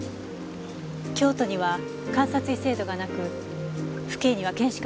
京都には監察医制度がなく府警には検視官が少ない。